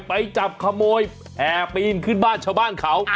ไปจับขโมยแห่ปีนขึ้นบ้านชาวบ้านเขา